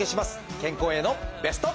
健康へのベスト。